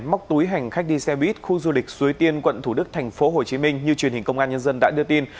móc túi hành khách đi xe buýt khu du lịch suối tiên quận thủ đức thành phố hồ chí minh như truyền hình công an nhân dân đã đưa tin